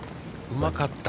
うまかった。